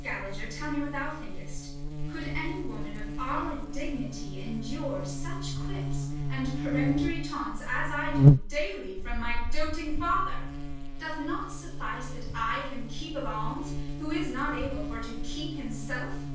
I prithee, Skalliger, tell me what thou think'st : Could any woman of our dignity Endure such quips and peremptory taunts, As I do daily from my doting father ? Doth't not suffice that I him keep of alms, 5 Who is not able for to keep himself